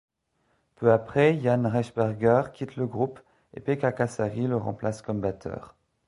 Peu après Jan Rechberger quitte le groupe et Pekka Kasari le remplace comme batteur.